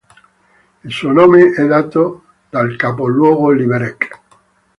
Il suo nome è dato dal capoluogo Liberec.